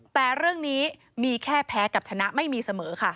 แต่เรื่องนี้มีแค่แพ้กับชนะไม่มีเสมอค่ะ